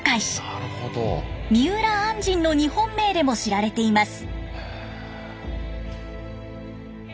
三浦按針の日本名でも知られています。